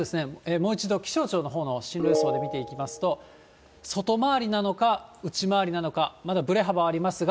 もう一度、気象庁のほうの進路予想を見ていきますと、外回りなのか、内回りなのか、まだぶれ幅ありますが、